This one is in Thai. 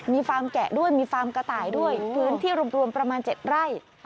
มีฟาร์มแกะด้วยมีฟาร์มกระต่ายด้วยพื้นที่รวมประมาณ๗ไร่